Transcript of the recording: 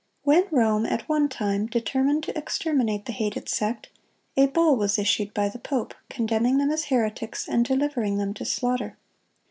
When Rome at one time determined to exterminate the hated sect, a bull was issued by the pope, condemning them as heretics, and delivering them to slaughter.